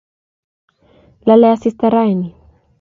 lalei asista ranii